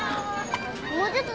もうちょっと。